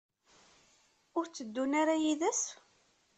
Ur tteddun ara yid-s?